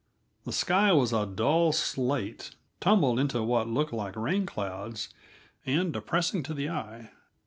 The sky was a dull slate, tumbled into what looked like rain clouds and depressing to the eye.